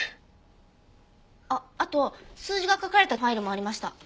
あっあと数字が書かれたファイルもありました。